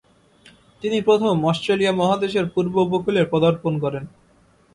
তিনি প্রথম অস্ট্রেলিয়া মহাদেশের পূর্ব উপকূলে পদার্পণ করেন।